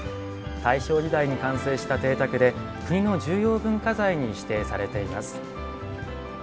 大正時代に完成した邸宅で国の重要文化財に指定されています。